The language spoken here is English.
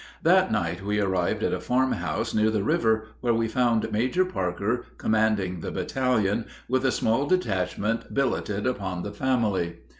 That night we arrived at a farm house near the river, where we found Major Parker, commanding the battalion, with a small detachment billeted upon the family.